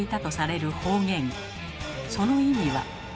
その意味は。